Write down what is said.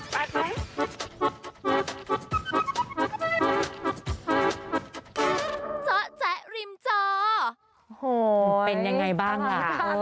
เป็นยังไงบ้างล่ะ